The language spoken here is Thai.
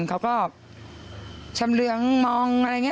เขาก็ชำเหลืองมองอะไรอย่างนี้